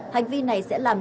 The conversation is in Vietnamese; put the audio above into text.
hành vi này sẽ làm